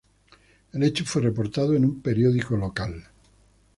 El hecho fue reportado en un periódico local.